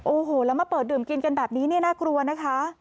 โอ้โหแล้วมาเปิดดื่มกินกันแบบนี้เนี่ยน่ากลัวนะคะ